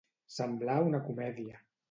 Semblar una comèdia.